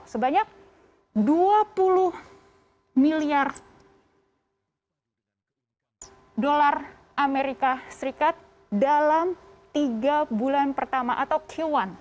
sebanyak dua puluh miliar dolar amerika serikat dalam tiga bulan pertama atau q satu dua ribu dua puluh satu